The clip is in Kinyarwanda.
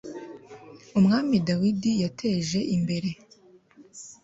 umwami dawidi yateje imbere